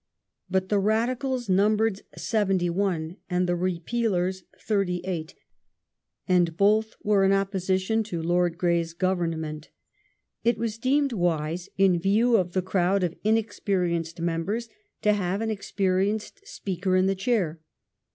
But the Radicals numbered 71, and the Repealei s 38, and both were in opposition to Lord Grey's Government^ It was deemed wise, in view of the crowd of inexperienced members, to have an experienced Speaker in the chair.